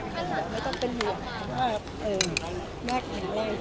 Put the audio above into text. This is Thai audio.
สวัสดีคุณครับ